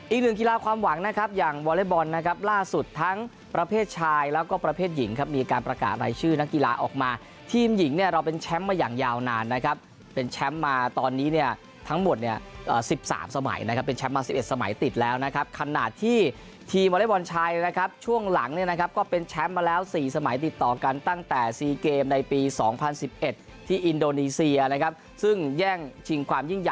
อีกหนึ่งกีฬาความหวังนะครับอย่างวอเล็ตบอลนะครับล่าสุดทั้งประเภทชายแล้วก็ประเภทหญิงครับมีการประกาศในชื่อนักกีฬาออกมาทีมหญิงเนี่ยเราเป็นแชมป์มาอย่างยาวนานนะครับเป็นแชมป์มาตอนนี้เนี่ยทั้งหมดเนี่ยสิบสามสมัยนะครับเป็นแชมป์มาสิบเอ็ดสมัยติดแล้วนะครับขณะที่ทีมวอเล็ตบอลชายนะครับช่วงห